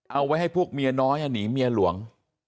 เอาไว้ให้พวกเมียน้อยหนีเมียหลวง